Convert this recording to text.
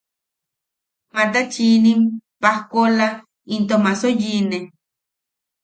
Matachiinim, pajkoola into maaso yiʼine.